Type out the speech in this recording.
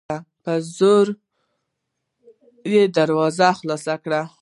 په زور یې دروازه خلاصه کړه